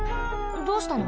どうしたの？